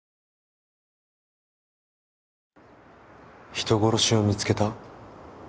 人殺しを見つけた？